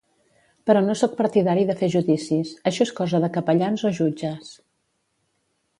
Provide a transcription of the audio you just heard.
Però no sóc partidari de fer judicis: això és cosa de capellans o jutges.